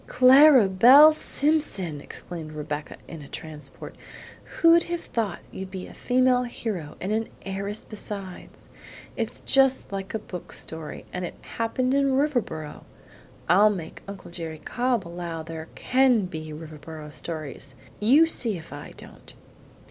"Clara Belle Simpson!" exclaimed Rebecca in a transport. "Who'd have thought you'd be a female hero and an heiress besides? It's just like a book story, and it happened in Riverboro. I'll make Uncle Jerry Cobb allow there CAN be Riverboro stories, you see if I don't."